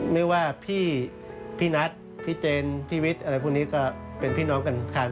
ไม่ว่าพี่นัทพี่เจนพี่วิทย์อะไรพวกนี้ก็เป็นพี่น้องกัน